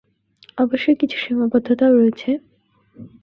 অবশ্যই কিছু সীমাবদ্ধতাও রয়েছে।